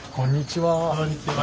こんにちは。